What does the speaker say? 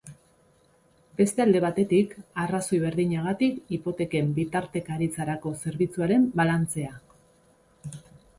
Beste alde batetik, arrazoi berdinagatik hipoteken bitartekaritzarako zerbitzuaren balantzea.